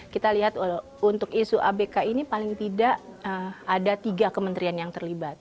kita lihat untuk isu abk ini paling tidak ada tiga kementerian yang terlibat